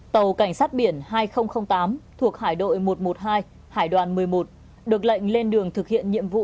tàu cảnh sát biển hai nghìn tám thuộc hải đội một trăm một mươi hai hải đoàn một mươi một được lệnh lên đường thực hiện nhiệm vụ